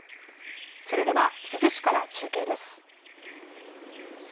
それでは珠洲市から中継です。